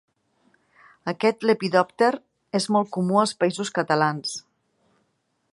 Aquest lepidòpter és molt comú als Països Catalans.